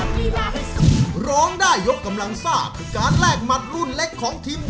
เดี๋ยวคุณรับฝากความรักจากใคร